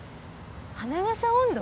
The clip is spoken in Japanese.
『花笠音頭』？